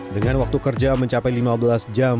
dengan waktu kerja mencapai lima belas jam